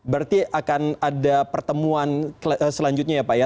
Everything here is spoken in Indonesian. berarti akan ada pertemuan selanjutnya ya pak ya